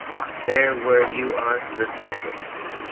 There where you are stood the Syndic.